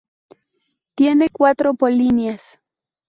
Tiene cuatro polinias.